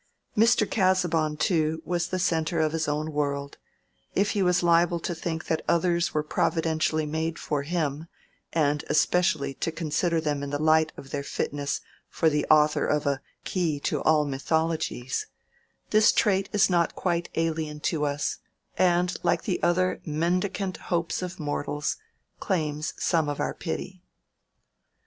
Mr. Casaubon, too, was the centre of his own world; if he was liable to think that others were providentially made for him, and especially to consider them in the light of their fitness for the author of a "Key to all Mythologies," this trait is not quite alien to us, and, like the other mendicant hopes of mortals, claims some of our pity.